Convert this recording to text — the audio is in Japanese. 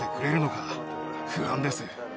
不安です。